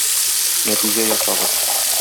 Нәтиҗә ясагыз.